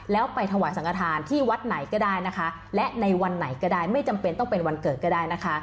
แล้วไปถวายสังกฐานที่วัดไหนก็ได้นะคะและในวันไหนก็ได้ไม่จำเป็นต้องเป็นวันเกิดก็ได้นะคะ